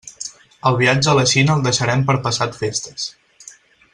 El viatge a la Xina el deixarem per passat festes.